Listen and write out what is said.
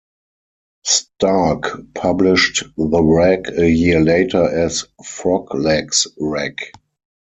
Stark published the rag a year later as "Frog Legs Rag".